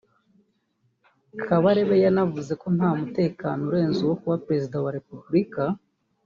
Kabarebe yanavuze ko nta mutekano urenze uwo kuba Perezida wa Repubulika